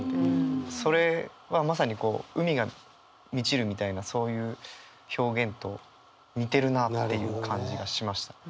それはまさにこう「海が満ちる」みたいなそういう表現と似てるなっていう感じがしました。